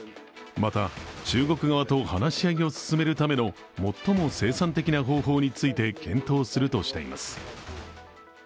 また、中国側と話し合いを進めるための最も生産的な方法について検討するとしています。